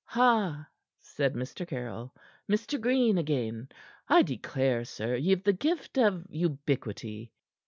"Ha!" said Mr. Caryll. "Mr. Green again. I declare, sir, ye've the gift of ubiquity."